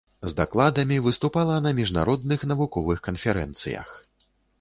З дакладамі выступала на міжнародных навуковых канферэнцыях.